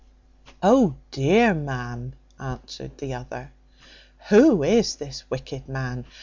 "O dear, ma'am," answered the other, "who is this wicked man?